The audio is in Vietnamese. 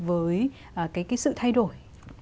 với cái sự thay đổi